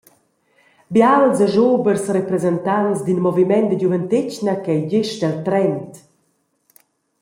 Bials e schubers representants d’in moviment da giuventetgna ch’ei gest el trend.